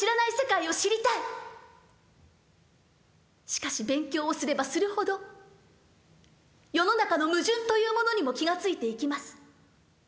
しかし勉強をすればするほど世の中の矛盾というものにも気が付いていきます。